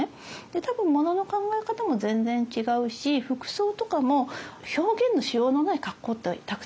で多分ものの考え方も全然違うし服装とかも表現のしようのない格好ってたくさんあったと思うんです。